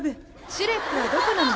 シュレックはどこなの？